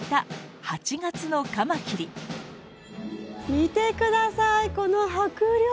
見て下さいこの迫力！